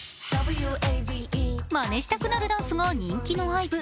まねしたくなるダンスが人気のＩＶＥ。